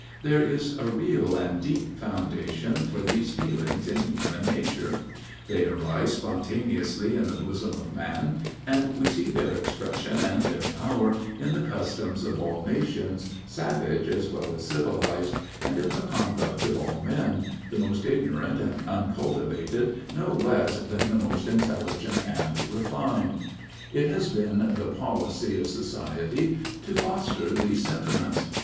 There is a real and deep foundation for these feelings in human nature: they arise spontaneously in the bosom of man, and we see their expression and their power in the customs of all nations, savage as well as civilized, and in the conduct of all men, the most ignorant and uncultivated no less than the most intelligent and refined. It has been the policy of society to foster these sentiments.